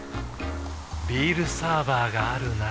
ビールサーバーがある夏。